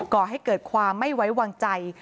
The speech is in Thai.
ก่อให้เกิดความไม่ไว้วางใจ